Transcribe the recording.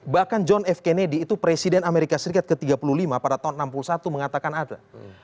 bahkan john f kennedy itu presiden amerika serikat ke tiga puluh lima pada tahun seribu sembilan ratus enam puluh satu mengatakan ada